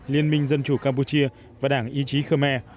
liên minh dân chủ campuchia và đảng ý chí khmer